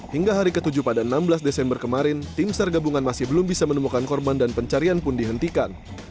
hingga hari ke tujuh pada enam belas desember kemarin tim sar gabungan masih belum bisa menemukan korban dan pencarian pun dihentikan